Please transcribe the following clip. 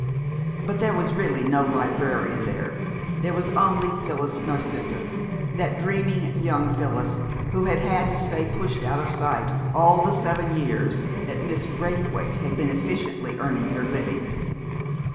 But there was really no librarian there. There was only Phyllis Narcissa that dreaming young Phyllis who had had to stay pushed out of sight all the seven years that Miss Braithwaite had been efficiently earning her living.